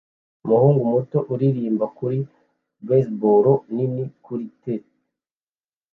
umuhungu muto uririmba kuri baseball nini kuri tee